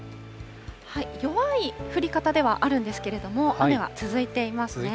弱い降り方ではあるんですけれども、雨は続いていますね。